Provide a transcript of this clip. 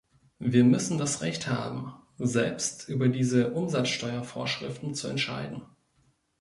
Wir müssen das Recht haben, selbst über diese Umsatzsteuer-Vorschriften zu entscheiden.